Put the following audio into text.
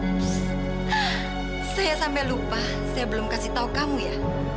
saya sampai lupa saya belum kasih tahu kamu ya